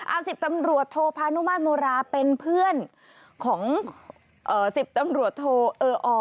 อ่าสิบตำรวจโทพานุมานโมราเป็นเพื่อนของเอ่อสิบตำรวจโทเออออ